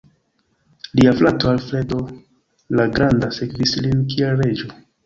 Lia frato Alfredo la Granda sekvis lin kiel reĝo.